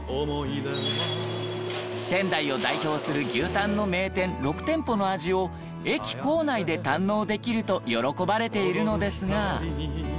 仙台を代表する牛たんの名店６店舗の味を駅構内で堪能できると喜ばれているのですが。